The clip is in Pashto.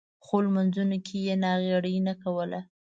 خو لمونځونو کې یې ناغېړي نه کوله.